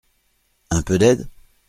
Un peu d’aide ?